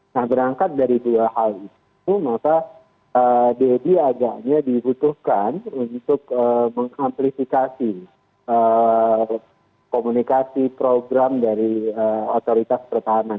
nah berangkat dari dua hal itu maka deddy agaknya dibutuhkan untuk mengamplifikasi komunikasi program dari otoritas pertahanan